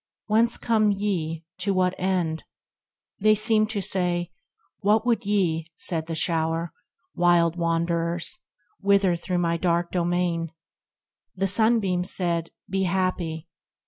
" Whence come ye, to what end ?" They seemed to say, "What would ye," said the shower, "Wild Wanderers, whither through my dark domain ?" The sunbeam said, " Be happy."